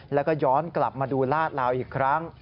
แล้วก็ย้อนกลับมาดูลาดลาวอีกครั้ง